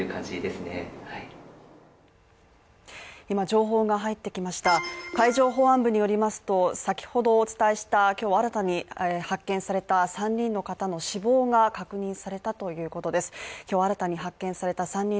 情報が入ってきました海上保安部によりますと先ほどお伝えした今日新たに発見された３人の方の死亡が確認されたということです。